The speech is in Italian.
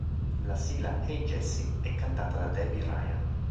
La sigla "Hey Jessie" è cantata da Debby Ryan.